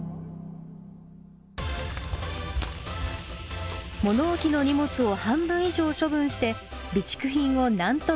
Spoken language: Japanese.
物置の荷物を半分以上処分して備蓄品をなんとか収納。